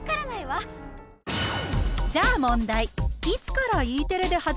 じゃあ問題。